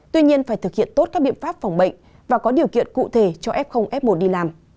tuy nhiên phải thực hiện tốt các biện pháp phòng bệnh và có điều kiện cụ thể cho f f một đi làm